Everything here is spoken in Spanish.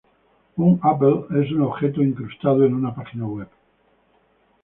Un applet es un objeto incrustado en una página web.